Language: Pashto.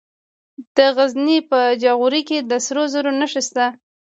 د غزني په جاغوري کې د سرو زرو نښې شته.